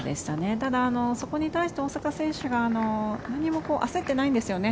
ただ、そこに対して大坂選手が何も焦っていないんですよね。